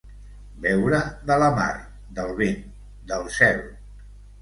Beure de la mar, del vent, del cel.